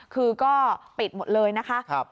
คือก็ปิดหมดเลยนะคะ